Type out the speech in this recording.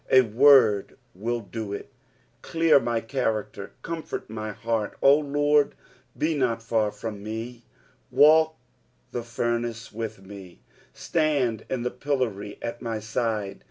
A word will do it. Clear mj character, comfort m; henit. " 0 Lard, be not /or /rom fn«." Walk the furnace with me. Btand in the pillory ;it my side.